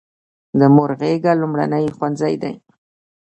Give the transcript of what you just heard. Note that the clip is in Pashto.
د مور غیږه لومړنی ښوونځی دی.